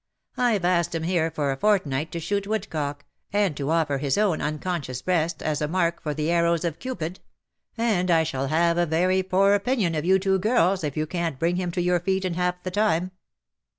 Tve asked him here for a fortnight to shoot woodcock, and to offer his own unconscious breast as a mark for the arrows of Cupid ; and I shall have a very poor opinion of you two girls if you can't bring him to your feet in half the time."